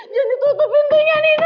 jangan ditutup pintunya nino